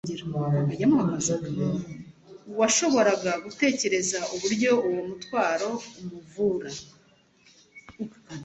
washoboraga gutekereza uburyo uwo mutwaro umuvura.